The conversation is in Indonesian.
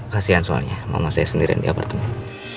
kasian soalnya mama saya sendirian di apartemen